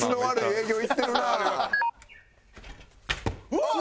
うわっ！